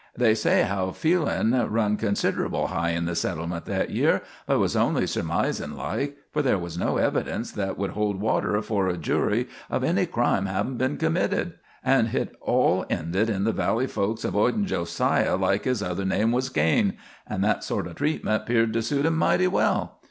"They say how feelin' run consid'ble high in the settlement that year, but hit was only surmisin' like, for there was no evidence that would hold water afore a jury of any crime havin' been committed; and hit all ended in the valley folks avoidin' Jo siah like his other name was Cain and that sort o' treatment 'peared to suit him mighty well.